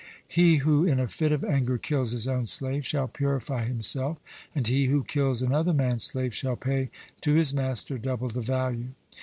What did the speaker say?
He who in a fit of anger kills his own slave, shall purify himself; and he who kills another man's slave, shall pay to his master double the value.